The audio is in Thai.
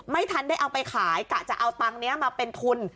ไม่ทันได้เอาไปขายกะจะเอาตังค์นี้มาเป็นทุน